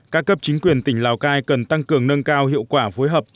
các cấp chính quyền tỉnh lào cai cần tăng cường nâng cao hiệu quả phối hợp